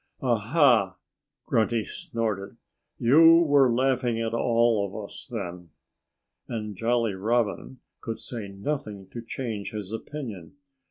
"Aha!" Grunty snorted. "You were laughing at all of us, then." And Jolly Robin could say nothing to change his opinion.